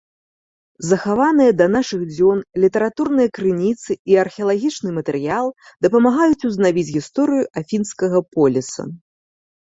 Захаваныя да нашых дзён літаратурныя крыніцы і археалагічны матэрыял дапамагаюць узнавіць гісторыю афінскага поліса.